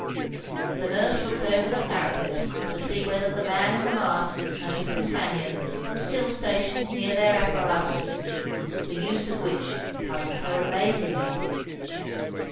The nurse looked over the parapet to see whether the man in the mask and his companion were still stationed near their apparatus, the use of which puzzled her amazingly.